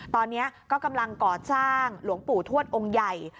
ตอนนี้ก็กำลังก่อสร้างหลวงปู่ทวดองค์ใหญ่